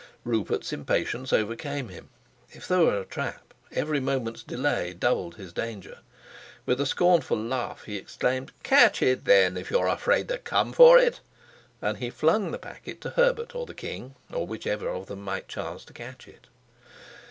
Rupert's impatience overcame him: if there were a trap, every moment's delay doubled his danger. With a scornful laugh he exclaimed, "Catch it, then, if you're afraid to come for it," and he flung the packet to Herbert or the king, or which of them might chance to catch it.